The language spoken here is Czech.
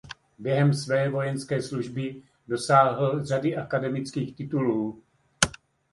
Během své vojenské služby dosáhl řady akademických titulů.